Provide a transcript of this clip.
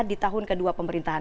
di tahun ke dua pemerintahan